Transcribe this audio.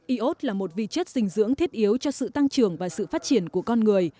iốt là một vi chất dinh dưỡng thiết yếu cho sự tăng trưởng và sự phát triển của con người